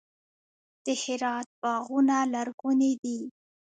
د هرات باغونه لرغوني دي.